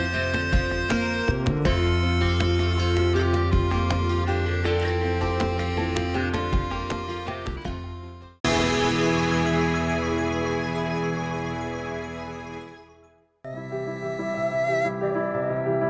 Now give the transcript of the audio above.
kedatangan rinduaba di caudimmejade